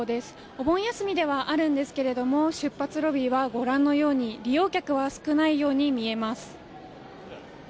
お盆休みではあるんですが出発ロビーはご覧のように利用客は少ないように見えます。